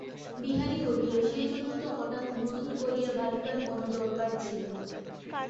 বিহারী কহিল, সেজন্য তো হঠাৎ নূতন করিয়া ভাবিবার কোনো দরকার ছিল না।